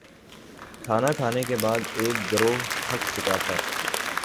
کھانا کھانے کے بعد ایک گروہ تھک چکا تھا